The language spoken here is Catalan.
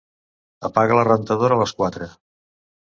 Apaga la rentadora a les quatre.